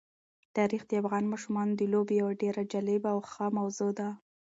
تاریخ د افغان ماشومانو د لوبو یوه ډېره جالبه او ښه موضوع ده.